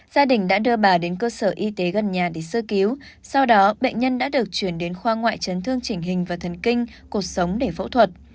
gia đình đã đưa bà đến cơ sở y tế gần nhà để sơ cứu sau đó bệnh nhân đã được chuyển đến khoa ngoại chấn thương chỉnh hình và thần kinh cuộc sống để phẫu thuật